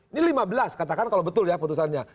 ini lima belas katakan kalau betul ya putusannya